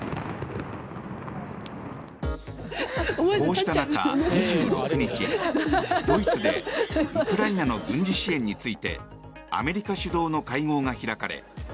こうした中、２６日、ドイツでウクライナの軍事支援についてアメリカ主導の会合が開かれ